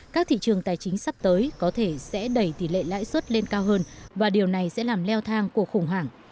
các thị trường tài chính sắp tới có thể sẽ đẩy tỷ lệ lãi suất lên cao hơn và điều này sẽ làm leo thang cuộc khủng hoảng